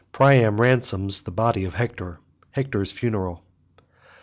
Priam ransoms the body of Hector—Hector's funeral.